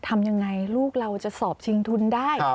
ทำยังไงลูกเราจะสอบชิงทุนได้